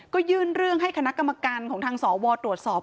ก็ยื่นเรื่องให้คณะกรรมการของทางสวตรวจสอบ